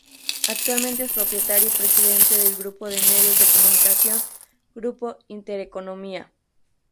Actualmente es propietario y presidente del grupo de medios de comunicación Grupo Intereconomía.